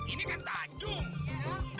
ini kan tajung